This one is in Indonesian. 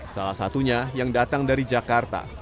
salah satunya yang datang dari jakarta